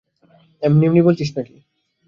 এমনি-এমনিই বলছিস নাকি?